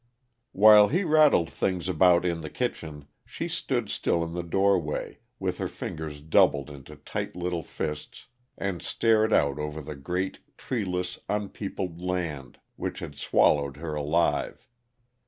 While he rattled things about in the kitchen, she stood still in the doorway with her fingers doubled into tight little fists, and stared out over the great, treeless, unpeopled land which had swallowed her alive.